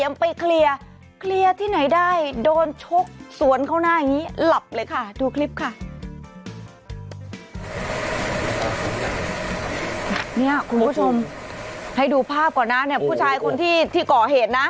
คุณผู้ชมให้ดูภาพก่อนนะเนี่ยผู้ชายคนที่ก่อเหตุนะ